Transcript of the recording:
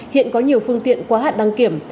hiện có nhiều phương tiện quá hạn đăng kiểm